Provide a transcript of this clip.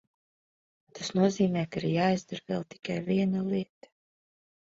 Tas nozīmē, ka ir jāizdara vēl tikai viena lieta.